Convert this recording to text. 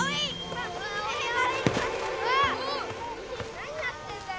・何やってんだよ。